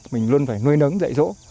mình luôn phải nuôi nấng dạy dỗ